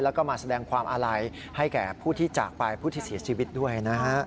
แล้วก็มาแสดงความอาลัยให้แก่ผู้ที่จากไปผู้ที่เสียชีวิตด้วยนะฮะ